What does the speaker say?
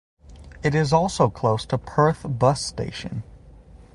It is also close to Perth bus station.